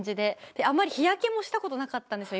あんまり日焼けもしたことなかったんですよ